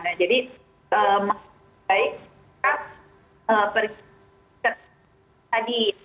nah jadi maka baik kita pergi ke tempat tadi